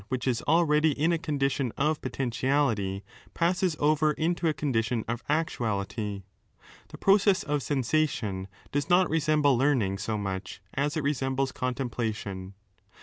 ^ For the sense organ which is already in a condition of potentiality, passes over into a condition of actuality. The process of sensation does not resemble learning so much as it resembles contemplation.